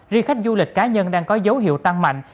riêng khách du lịch cá nhân đang có dấu hiệu tăng mạnh